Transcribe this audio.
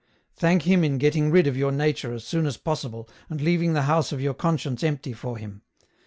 "Thank Him in getting rid of your nature as soon as possible, and leaving the house of your conscience empty for Him.